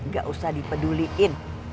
gak usah dipeduliin